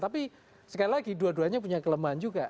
tapi sekali lagi dua duanya punya kelemahan juga